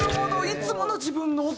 いつもの自分の音を。